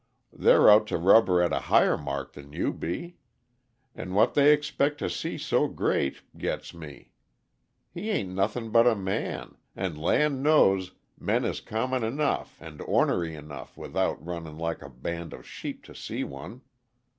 They're out to rubber at a higher mark than you be. And what they expect to see so great, gits me. He ain't nothing but a man and, land knows, men is common enough, and ornery enough, without runnin' like a band of sheep to see one.